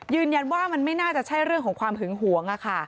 ยืนยันว่ามันไม่น่าจะใช่เรื่องของความหึงหวง